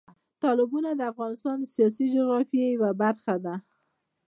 تالابونه د افغانستان د سیاسي جغرافیه یوه برخه ده.